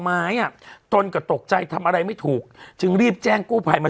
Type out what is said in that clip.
อ่ะตนก็ตกใจทำอะไรไม่ถูกจึงรีบแจ้งกู้ภัยมา